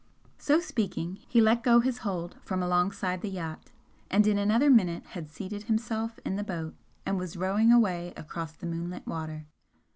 So speaking, he let go his hold from alongside the yacht, and in another minute had seated himself in the boat and was rowing away across the moonlit water.